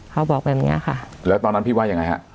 เขาบอกแบบนี้ค่ะแล้วตอนนั้นพี่ว่าอย่างไรครับ